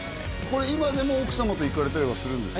これ今でも奥様と行かれたりはするんですか？